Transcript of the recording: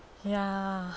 いやぁ。